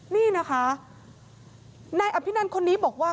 นี่นะคะนายอภินันคนนี้บอกว่า